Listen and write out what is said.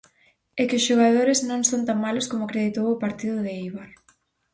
E que os xogadores non son tan malos como acreditou o partido de Eibar.